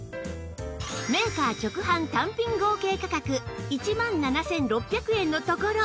メーカー直販単品合計価格１万７６００円のところ